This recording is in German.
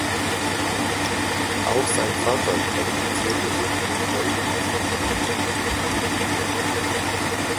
Auch sein Vater qualifizierte sich für die Weltmeisterschaft.